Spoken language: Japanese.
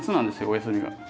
お休みが。